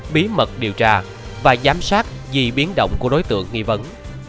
bí mật điều tra và giám sát gì biến động của đối tượng nghi vấn